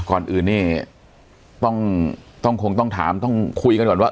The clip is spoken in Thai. ก่อนอื่นนี่ต้องคงต้องถามต้องคุยกันก่อนว่า